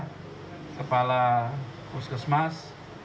dan kepala kuskesmas